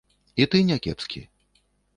І ты не кепскі.